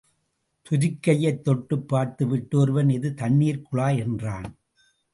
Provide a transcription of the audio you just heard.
துதிக்கையைத் தொட்டுப் பார்த்து விட்டு ஒருவன், இது தண்ணிர்க் குழாய் என்றான்.